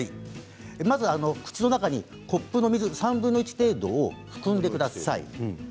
まず口の中にコップの水３分の１程度を含んでください。